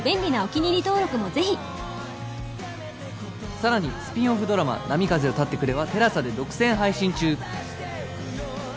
さらにスピンオフドラマ『波風よ立ってくれ』は ＴＥＬＡＳＡ で独占配信中